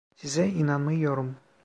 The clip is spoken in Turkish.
Size inanmıyorum.